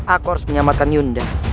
aku harus menyelamatkan yunda